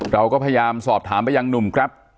เราก็พยายามสอบถามไปยังหนุ่มแกรป